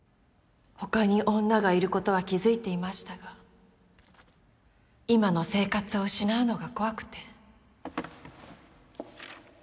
他に女がいることは気付いていましたが今の生活を失うのが怖くて